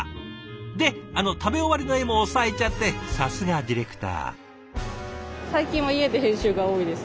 で食べ終わりの絵も押さえちゃってさすがディレクター。